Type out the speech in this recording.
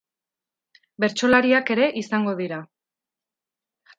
Bertsolariak ere izango dira.